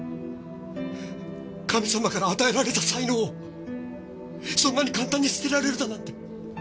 神様から与えられた才能をそんなに簡単に捨てられるだなんて。